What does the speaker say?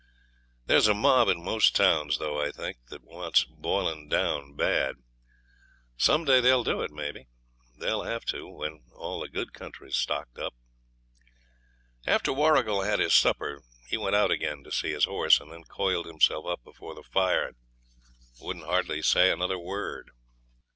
There's a mob in most towns though, I think, that wants boilin' down bad. Some day they'll do it, maybe; they'll have to when all the good country's stocked up. After Warrigal had his supper he went out again to see his horse, and then coiled himself up before the fire and wouldn't hardly say another word.